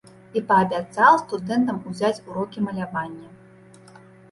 І паабяцаў студэнтам узяць урокі малявання.